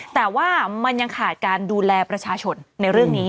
แต่ว่ามันยังขาดการดูแลประชาชนในเรื่องนี้